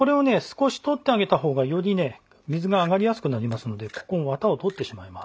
少し取ってあげた方がよりね水があがりやすくなりますのでここのワタを取ってしまいます。